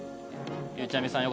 ゆうちゃみさん